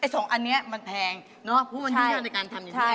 สองอันนี้มันแพงเนอะเพราะมันมียอดในการทำอย่างนี้